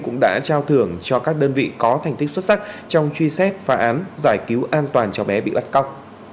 cũng đã trao thưởng cho các đơn vị có thành tích xuất sắc trong truy xét phá án giải cứu an toàn cháu bé bị bắt cóc